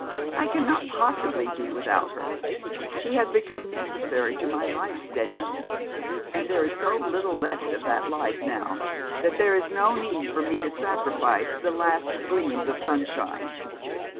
I cannot possibly do without her. She has become necessary to my life, Steadman; and there is so little left of that life now, that there is no need for me to sacrifice the last gleams of sunshine.